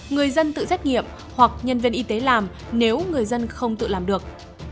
người dân tự xét nghiệm hoặc nhân viên y tế làm nếu người dân không tự làm được